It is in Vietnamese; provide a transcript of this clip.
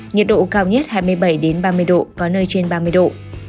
nhiệt độ cao nhất hai mươi bảy ba mươi độ có nơi trên ba mươi độ